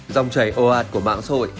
dòng chảy ồ ạt của mạng sội